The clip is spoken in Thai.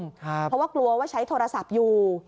เพราะว่ากลัวว่าใช้โทรศัพท์อยู่